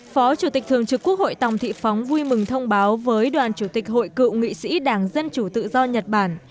phó chủ tịch thường trực quốc hội tòng thị phóng vui mừng thông báo với đoàn chủ tịch hội cựu nghị sĩ đảng dân chủ tự do nhật bản